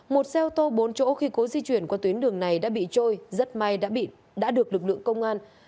một xe ô tô bốn chỗ khi cố di chuyển qua tuyến đường này đã bị trôi rất may đã được lực lượng công an